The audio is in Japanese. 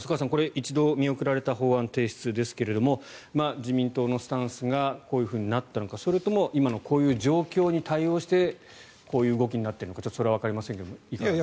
一度見送られた法案提出ですが自民党のスタンスがこういうふうになったのかそれとも今のこういう状況に対応してこういう動きになっているのかそれはわかりませんがいかがですか。